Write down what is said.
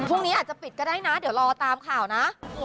เวลาอาจจะปิดก็ได้นะเดี๋ยวรอตามข่าวนะ